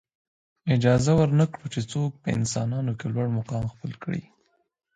اجازه ورنه کړو چې څوک په انسانانو کې لوړ مقام خپل کړي.